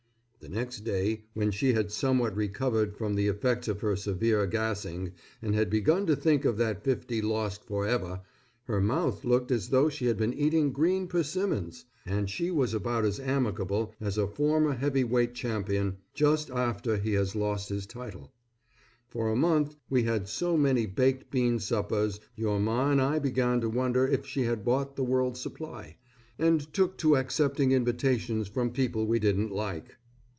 The next day, when she had somewhat recovered from the effects of her severe gassing; and had begun to think of that fifty, lost forever, her mouth looked as though she had been eating green persimmons, and she was about as amicable as a former heavy weight champion just after he has lost his title. For a month we had so many baked bean suppers, your Ma and I began to wonder if she had bought the world's supply, and took to accepting invitations from people we didn't like.